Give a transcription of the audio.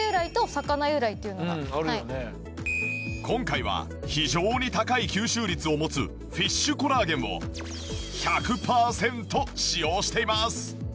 今回は非常に高い吸収率を持つフィッシュコラーゲンを１００パーセント使用しています